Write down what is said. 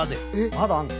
まだあんの？